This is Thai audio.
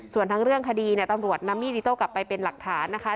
ส่วนทั้งเรื่องคดีเนี่ยตำรวจนำมีดอิโต้กลับไปเป็นหลักฐานนะคะ